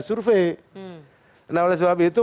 survei nah oleh sebab itu